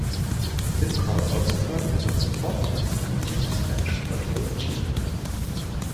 His court also served as an important instrument for Spanish cultural achievement.